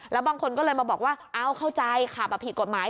แล้วบางคนก็เลยมาบอกว่าเอ้าเข้าใจขับผิดกฎหมาย